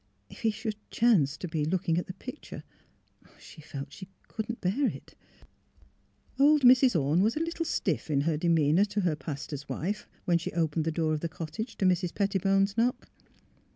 If he should chance to be looking at the picture — she felt that she could not bear it. ... Old Mrs. Orne was a little stiff in her de meanour to her pastor's wife, when she opened the door of the cottage to Mrs. Pettibone 's knock.